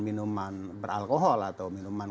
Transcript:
minuman beralkohol atau minuman